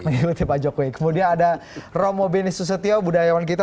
mengikuti pak jokowi kemudian ada romo benisusetio budayawan kita